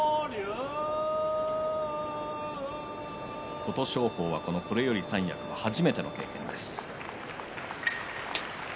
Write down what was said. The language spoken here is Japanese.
琴勝峰は、これより三役は初めての経験です。